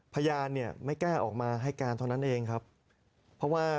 พยานเนี่ยไม่กล้าออกมาให้การเท่านั้นเองครับเพราะว่า